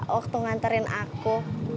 waktu nganterin aku